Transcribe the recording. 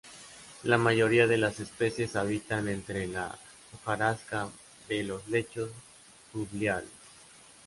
La mayoría de las especies habitan entre la hojarasca de los lechos fluviales.